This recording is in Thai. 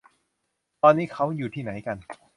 ตอนนี้เค้าอยู่ที่ไหนกัน